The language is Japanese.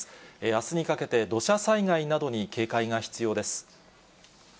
あすにかけて土砂災害などに警戒が必要です。